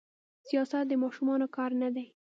سياست د ماشومانو کار نه دي.